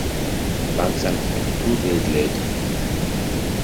Lang Son fell two days later.